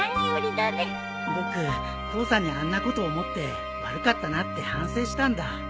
僕父さんにあんなこと思って悪かったなって反省したんだ。